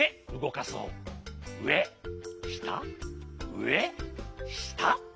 うえした。